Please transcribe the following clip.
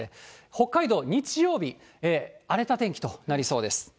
北海道、日曜日、荒れた天気となりそうです。